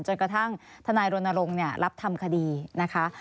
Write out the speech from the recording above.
จนกระทั่งทนายรณรงค์รับทำคดีนะคะ